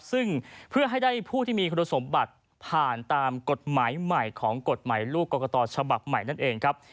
ซึ่งเพื่อให้ได้ผู้ที่มีคุณสมบัติผ่านตามกฎหมายใหม่ของกฎหมายลูกกรกตฉบับใหม่นั่นเองครับ